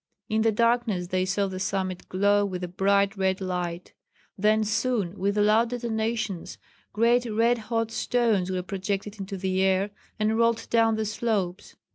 In the darkness they saw the summit glow with a bright red light; then soon, with loud detonations, great red hot stones were projected into the air and rolled down the slopes.